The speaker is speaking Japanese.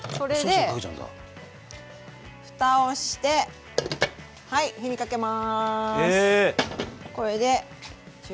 蓋をしてはい火にかけます。え！